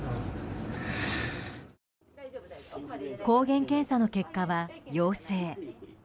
抗原検査の結果は陽性。